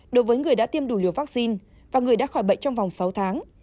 đối với người đã tiêm đủ liều vaccine và người đã khỏi bệnh trong vòng sáu tháng